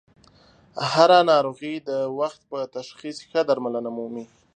هر ه ناروغي د وخت په تشخیص ښه درملنه مومي.